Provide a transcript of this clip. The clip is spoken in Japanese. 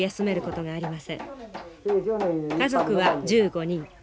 家族は１５人。